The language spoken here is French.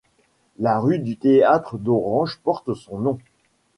La rue du théâtre d'Orange porte son nom.